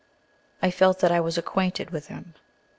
I felt that I was acquainted with him.